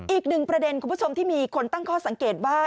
อีกหนึ่งประเด็นคุณผู้ชมที่มีคนตั้งข้อสังเกตว่า